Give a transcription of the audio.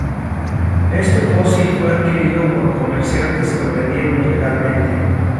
Este fósil fue adquirido por comerciantes que lo vendieron ilegalmente.